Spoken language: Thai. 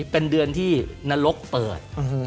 เป็นเดือนที่นรกเปิด